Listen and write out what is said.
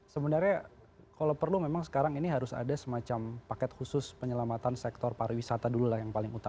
sebenarnya kalau perlu memang sekarang ini harus ada semacam paket khusus penyelamatan sektor pariwisata dulu lah yang paling utama